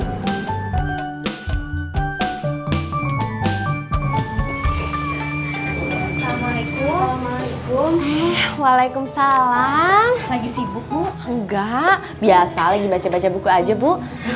assalamualaikum waalaikumsalam lagi sibuk bu enggak biasa lagi baca baca buku aja bu